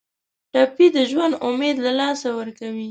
ټپي د ژوند امید له لاسه ورکوي.